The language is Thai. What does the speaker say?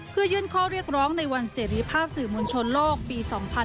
เพื่อยื่นข้อเรียกร้องในวันเสรีภาพในการทำหน้าที่ในยุคปัจจุบันโดยยกเลิกกัน